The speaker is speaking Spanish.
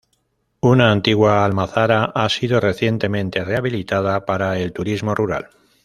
Una antigua almazara ha sido recientemente rehabilitada para el turismo rural.